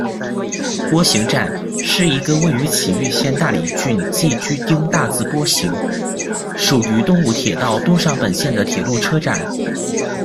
钵形站，是一个位于崎玉县大里郡寄居町大字钵形，属于东武铁道东上本线的铁路车站。